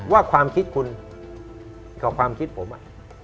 ว่าความคิดคุณกับความคิดผม